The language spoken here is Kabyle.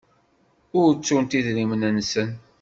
Ur ttunt idrimen-nsen.